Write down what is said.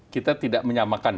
kita tidak menyamakan